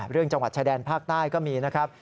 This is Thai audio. จังหวัดชายแดนภาคใต้ก็มีนะครับ